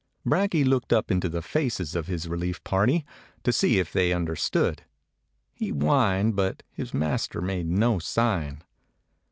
Brakje looked up into the faces of his relief party, to see if they understood. He whined, but his master made no sign.